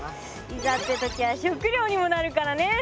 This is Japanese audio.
いざって時は食料にもなるからね。